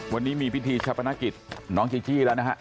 วันนี้มีพิธีชะพนักศึกษ์น้องจี๊จี้แล้วใช่ไหมครับ